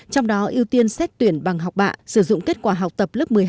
trong đó ưu tiên xét tuyển bằng học bạ sử dụng kết quả học tập lớp một mươi hai